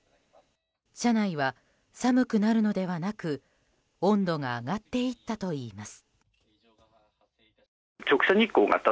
車内は寒くなるのではなく温度が上がっていったといいます。